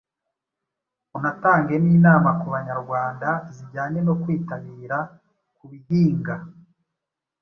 unatange n’inama ku Banyarwanda zijyanye no kwitabira kubihinga.